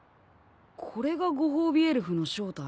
これがごほうびエルフの正体？